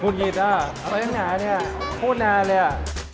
พูดยินอ่ะน่ารักเนี่ยโคตรนานเลยอะ